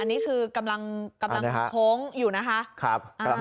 อันนี้คือกำลังโค้งอยู่นะคะ